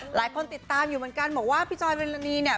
หลายคนติดตามอยู่เหมือนกันบอกว่าพี่จอยวิรณีเนี่ย